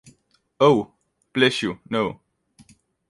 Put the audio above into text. Oh, bless you, no!